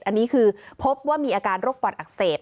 อันนี้คือพบว่ามีอาการโรคปอดอักเสบ